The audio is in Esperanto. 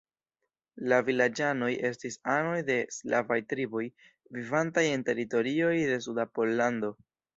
La vilaĝanoj estis anoj de slavaj triboj, vivantaj en teritorioj de suda Pollando.